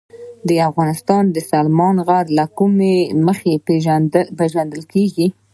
افغانستان د سلیمان غر له مخې پېژندل کېږي.